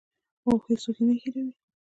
او هیڅوک نه هیروي.